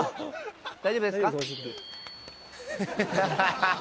大丈夫ですか？